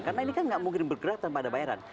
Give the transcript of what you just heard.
karena ini kan nggak mungkin bergerak tanpa ada bayaran